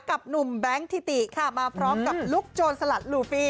กับหนุ่มแบงค์ทิติค่ะมาพร้อมกับลูกโจรสลัดลูฟี่